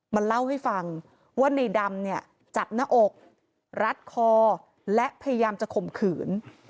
มาเล่าให้ฟังว่าในดำเนี่ยจับหน้าอกรัดคอและพยายามจะข่มขืน